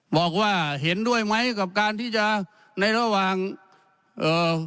บอกว่าเห็นด้วยไหมกับการที่จะในระหว่างเอ่อ